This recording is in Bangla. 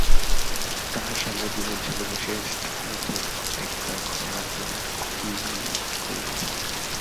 তাহার সামনে দুজন ছেলে বসিয়া স্নেটে একটা ঘর আঁকিয়া কি করিতেছিল।